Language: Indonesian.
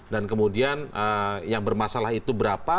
kemudian yang bermasalah itu berapa